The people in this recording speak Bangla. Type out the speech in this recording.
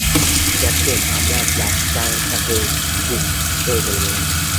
ক্যাপ্টেন, আমরা ব্লাস্টারটাকে ঠিক ধরে ফেলবো।